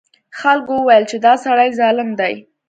خلکو وویل چې دا سړی ظالم دی.